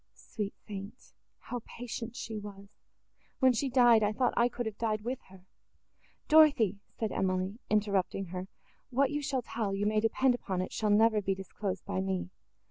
Sweet saint! how patient she was! When she died, I thought I could have died with her!" "Dorothée," said Emily, interrupting her, "what you shall tell, you may depend upon it, shall never be disclosed by me.